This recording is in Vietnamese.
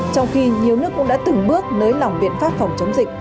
trong khi nhiều nước cũng đã từng bước nới lỏng biện pháp phòng chống dịch